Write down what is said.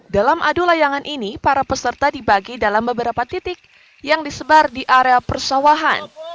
dalam adu layangan ini para peserta dibagi dalam beberapa titik yang disebar di area persawahan